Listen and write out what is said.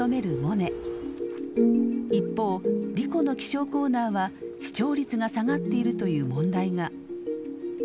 一方莉子の気象コーナーは視聴率が下がっているという問題が。